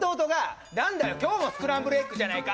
「何だよ今日もスクランブルエッグじゃないか！」